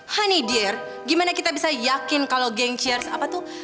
honey dear gimana kita bisa yakin kalau gang chairs apa tuh